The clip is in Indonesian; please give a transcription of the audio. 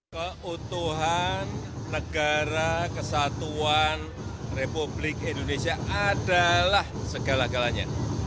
keutuhan negara kesatuan republik indonesia adalah segala galanya